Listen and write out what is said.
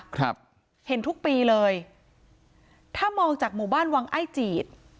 ครับเห็นทุกปีเลยถ้ามองจากหมู่บ้านวังไอ้จีด